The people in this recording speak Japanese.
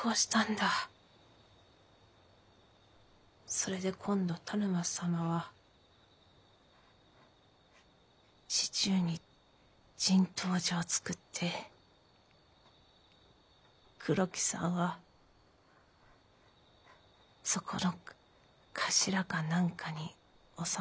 それで今度田沼様は市中に人痘所を作って黒木さんはそこの頭か何かに収まった。